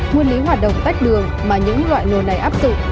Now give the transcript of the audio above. nguyên lý hoạt động tách đường mà những loại đồ này áp dụng